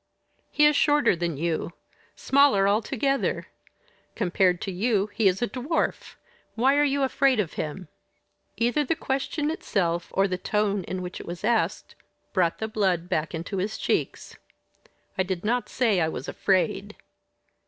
"He is shorter than you smaller altogether. Compared to you he is a dwarf. Why are you afraid of him?" Either the question itself, or the tone in which it was asked, brought the blood back into his cheeks. "I did not say I was afraid."